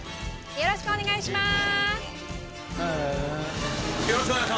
よろしくお願いします。